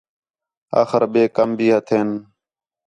آخر ٻئے کَم بھی ہتھین